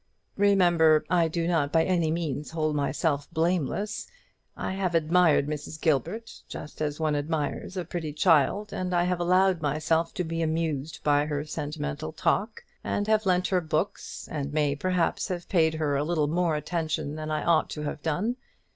Remember, I do not by any means hold myself blameless. I have admired Mrs. Gilbert just as one admires a pretty child, and I have allowed myself to be amused by her sentimental talk, and have lent her books, and may perhaps have paid her a little more attention than I ought to have done.